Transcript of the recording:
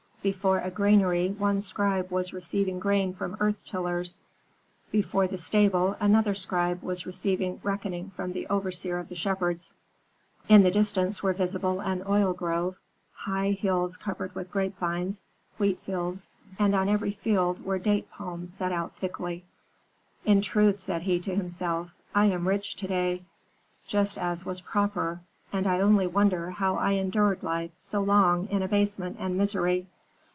Before a granary one scribe was receiving grain from earth tillers; before the stable another scribe was receiving reckoning from the overseer of the shepherds. "In the distance were visible an olive grove, high hills covered with grape vines, wheat fields, and on every field were date palms set out thickly. "'In truth,' said he to himself, 'I am rich to day, just as was proper; and I only wonder how I endured life so long in abasement and misery.